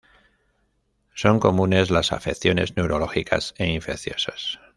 Son comunes las afecciones neurológicas e infecciosas.